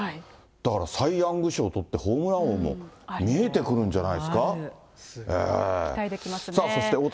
だからサイヤング賞とって、ホームラン王も、見えてくるんじゃな期待できますね。